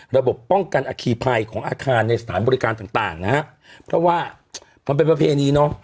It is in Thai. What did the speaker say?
ระบบป้องกันอคีภัยของอาคารในสถานบริการต่างต่างนะฮะเพราะว่ามันเป็นประเพณีเนอะ